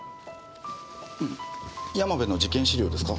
山部の事件資料ですか？